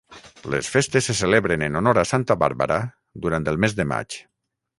Les festes se celebren en honor a Santa Bàrbara durant el mes de maig.